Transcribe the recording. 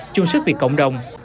trung sức việc cộng đồng